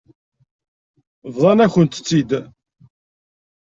Bḍan-akent-tt-id.